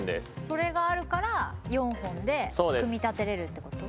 それがあるから４本で組み立てれるってこと？